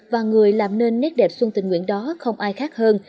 và người làm nên nét đẹp xuân tình nguyện đó không ai khác hơn